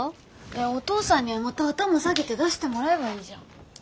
えお父さんにはまた頭下げて出してもらえばいいじゃん。